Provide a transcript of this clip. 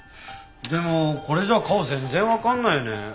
でもこれじゃ顔全然わかんないね。